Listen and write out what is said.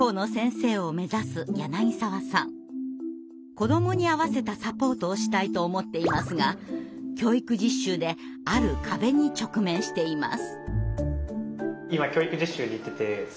子どもに合わせたサポートをしたいと思っていますが教育実習である壁に直面しています。